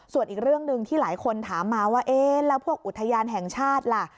ส่วนอีกเรื่องหนึ่งที่หลายคนถามมาว่าเอ๊ะแล้วพวกอุทยานแห่งชาติล่ะ